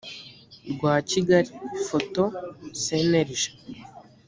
rwa kigali photo cnlg